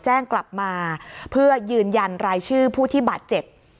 แจ้งกลับมาเพื่อยืนยันรายชื่อผู้ที่บาดเจ็บ